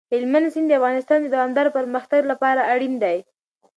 هلمند سیند د افغانستان د دوامداره پرمختګ لپاره اړین دی.